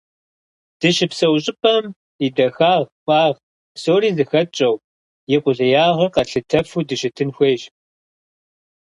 Дыщыпсэу щӏыпӏэм и дахагъ, фӏагъ псори зыхэтщӏэу, и къулеягъыр къэтлъытэфу дыщытын хуейщ.